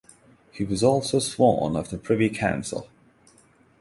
He was also sworn of the Privy Council.